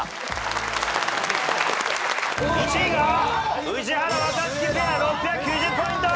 １位が宇治原・若槻ペア６９０ポイント！